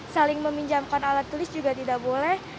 saling meminjamkan alat tulis juga tidak boleh